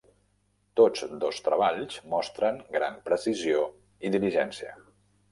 Tots dos treballs mostren gran precisió i diligència.